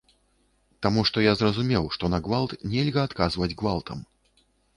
Таму што я зразумеў, што на гвалт нельга адказваць гвалтам.